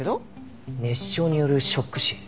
熱傷によるショック死。